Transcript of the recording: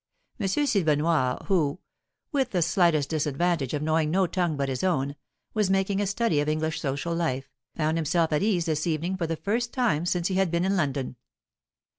M. Silvenoire, who with the slight disadvantage of knowing no tongue but his own was making a study of English social life, found himself at ease this evening for the first time since he had been in London.